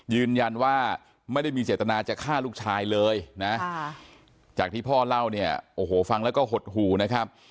ยืนยันว่าไม่ได้มีจิตนาจะฆ่าลูกชายเลยจากที่พ่อเล่าฟังแล้วก็หดหูนะครับ